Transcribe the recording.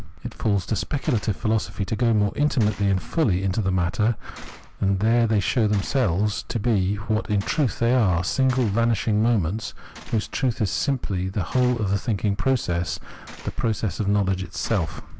It falls to specu lative philosophy to go more intimately and fully into the matter, and there they show themselves to be what in truth they are, single vanishing moments, whose truth is simply the whole oiE the thinking process, the process of knowledge itself.